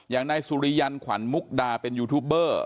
อย่างนายสุริยันขวัญมุกดาเป็นยูทูบเบอร์